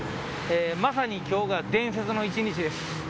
まさに今日が伝説の一日です。